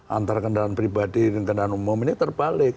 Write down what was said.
antara kendaraan pribadi dengan kendaraan umum ini terbalik